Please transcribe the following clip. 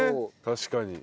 確かに。